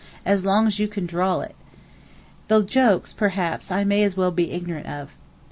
(as long as you can drawl it). The jokes, perhaps, I may as well be ignorant of.